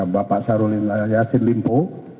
bapak sarul yassin limpo